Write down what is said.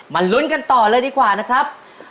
ลุ้นกันต่อเลยดีกว่านะครับ